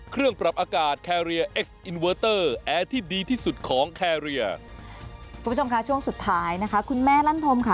คุณผู้ชมคะช่วงสุดท้ายนะคะคุณแม่ลั่นธมค่ะ